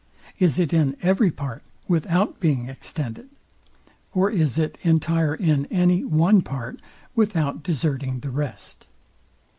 Is it in every part without being extended? Or is it entire in any one part without deserting the rest?